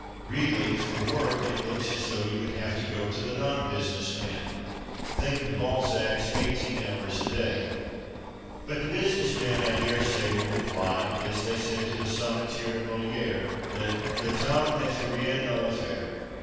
Really, for work it looks as though you would have to go to the non business man. Think of Balzac's eighteen hours a day ! But the business man, I daresay, will reply, as they said to the sonneteer in Molierc, that " Le temps ne fait rien a I'affaire."